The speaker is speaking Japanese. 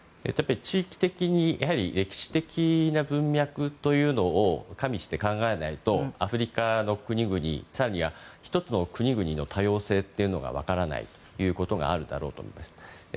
地域的に歴史的な文脈というのを加味して考えないとアフリカの国々更には１つの国々の多様性というのが分からないということがあると思います。